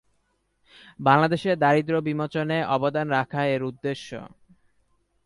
বাংলাদেশে দারিদ্র্য বিমোচনে অবদান রাখা এর উদ্দেশ্য।